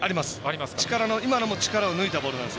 今のも力を抜いたボールです。